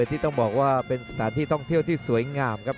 ที่ต้องบอกว่าเป็นสถานที่ท่องเที่ยวที่สวยงามครับ